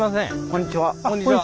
こんにちは。